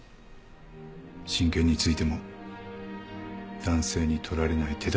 親権についても男性に取られない手だてがある。